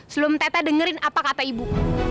sebelum tete dengerin apa kata ibu